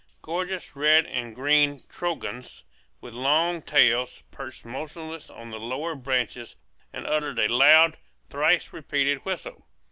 Gorgeous red and green trogons, with long tails, perched motionless on the lower branches and uttered a loud, thrice repeated whistle.